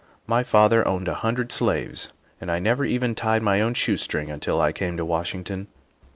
" My father owned a hundred slaves, and I never even tied my own shoestring until I came to Washington."